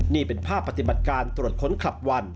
นี่เป็นภาพปฏิบัติการตรวจค้นคลับวัน